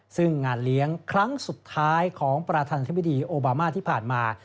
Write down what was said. ซึ่งงานเลี้ยงครั้งสุดท้ายของประธานธิบดีโอบามาที่ผ่านมา